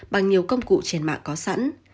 bằng nhiều công cụ trên mạng có sẵn